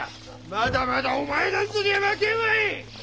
まだまだお前なんぞには負けんわい！